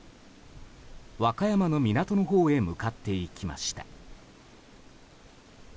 和歌山の港のほうへ向かっていきました。